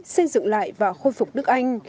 xây dựng lại và khôi phục nước anh